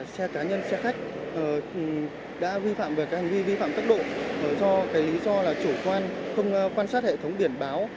xe cá nhân xe khách đã vi phạm về cái hành vi vi phạm tốc độ do cái lý do là chủ quan không quan sát hệ thống biển báo